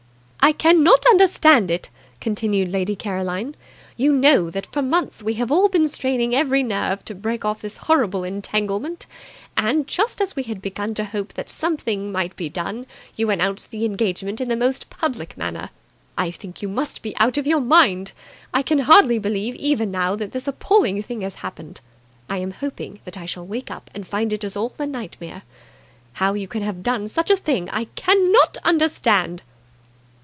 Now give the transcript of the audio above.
"I cannot understand it," continued Lady Caroline. "You know that for months we have all been straining every nerve to break off this horrible entanglement, and, just as we had begun to hope that something might be done, you announce the engagement in the most public manner. I think you must be out of your mind. I can hardly believe even now that this appalling thing has happened. I am hoping that I shall wake up and find it is all a nightmare. How you can have done such a thing, I cannot understand."